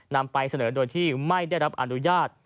นำไปเสนอโดยที่ไม่ได้รับอนุญาต